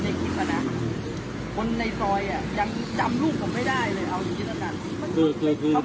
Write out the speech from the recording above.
ตอนนี้กำหนังไปคุยของผู้สาวว่ามีคนละตบ